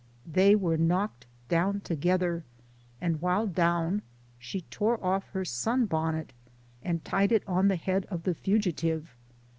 " They were knocked down together, and while down she tore off her sun bonnet and tied it on the head of the fugitive.